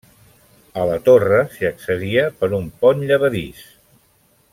A la torre s'hi accedia per un pont llevadís.